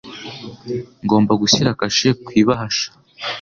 Ngomba gushyira kashe ku ibahasha.